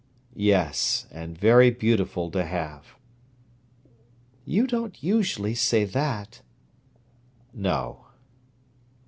"Yes—and very beautiful to have." "You don't usually say that." "No."